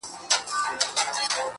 ځكه له يوه جوړه كالو سره راوتـي يــو.